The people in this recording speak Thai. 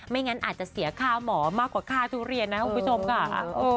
งั้นอาจจะเสียค่าหมอมากกว่าค่าทุเรียนนะคุณผู้ชมค่ะ